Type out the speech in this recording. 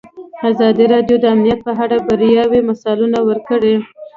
ازادي راډیو د امنیت په اړه د بریاوو مثالونه ورکړي.